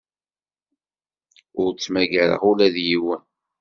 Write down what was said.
Ur ttmagareɣ ula d yiwen.